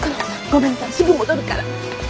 ごめんなさいすぐ戻るから。